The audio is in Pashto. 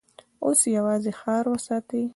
اوس يواځې ښار وساتئ!